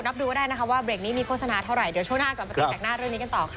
ดูก็ได้นะคะว่าเบรกนี้มีโฆษณาเท่าไหร่เดี๋ยวช่วงหน้ากลับมาตีแสกหน้าเรื่องนี้กันต่อค่ะ